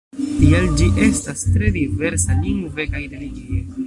Tial, ĝi estas tre diversa lingve kaj religie.